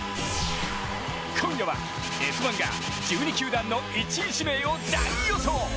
今夜は「Ｓ☆１」が１２球団の１位指名を大予想！